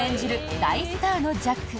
大スターのジャック。